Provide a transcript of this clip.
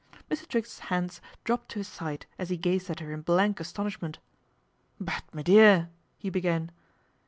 Mr. Triggs's hands dropped to his side as he gazed at her in blank astonishment. " But, me dear " he began.